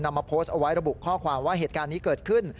มาโพสต์เอาไว้ระบุข้อความว่าเหตุการณ์นี้เกิดขึ้น